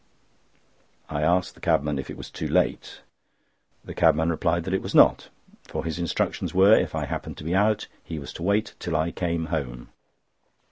I asked the cabman if it was too late. The cabman replied that it was not; for his instructions were, if I happened to be out, he was to wait till I came home.